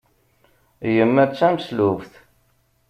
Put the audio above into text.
Yemma d tameslubt.